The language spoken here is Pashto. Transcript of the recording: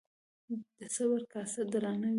د صبر کاسه درانه وي